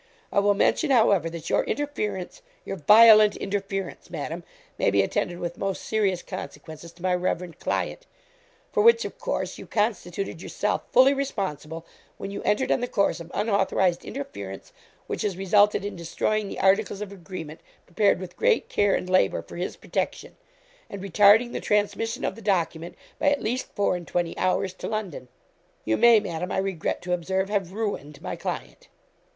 I will mention, however, that your interference, your violent interference, Madam, may be attended with most serious consequences to my reverend client, for which, of course, you constituted yourself fully responsible, when you entered on the course of unauthorised interference, which has resulted in destroying the articles of agreement, prepared with great care and labour, for his protection; and retarding the transmission of the document, by at least four and twenty hours, to London. You may, Madam, I regret to observe, have ruined my client.'